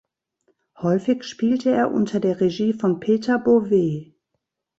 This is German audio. Häufig spielte er unter der Regie von Peter Beauvais.